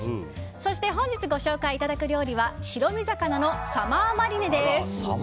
そして本日ご紹介いただく料理は白身魚のサマーマリネです。